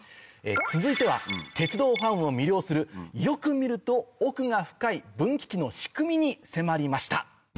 続いては鉄道ファンを魅了するよく見ると奥が深い分岐器の仕組みに迫りました。